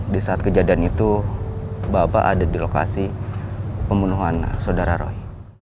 di saat kejadian itu bapak ada di lokasi pembunuhan saudara roy